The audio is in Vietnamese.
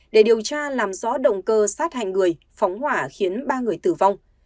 để điều tra làm rõ động cơ sát hành người phóng hỏa khiến ba người tử vong